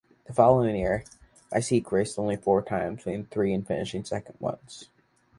The following year, Miesque raced only four times, winning three and finishing second once.